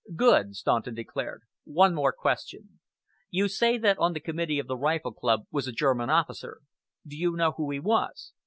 "Good!" Staunton declared. "One more question. You say that on the committee of the Rifle Club was a German officer. Do you know who he was?"